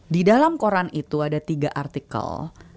di dalam koran itu ada tiga artikel